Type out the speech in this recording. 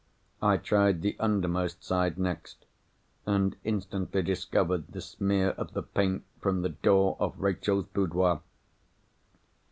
I tried the undermost side, next—and instantly discovered the smear of the paint from the door of Rachel's boudoir!